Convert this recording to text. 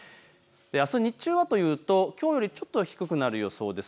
あす日中はというときょうよりちょっと低くなる予想です。